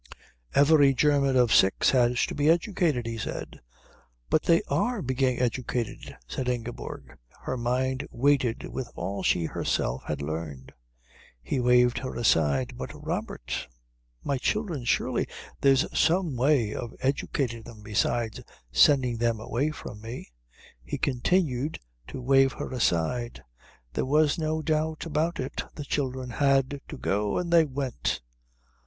"Every German of six has to be educated," he said. "But they are being educated," said Ingeborg, her mind weighted with all she herself had learned. He waved her aside. "But, Robert my children surely there's some way of educating them besides sending them away from me?" He continued to wave her aside. There was no doubt about it: the children had to go, and they went.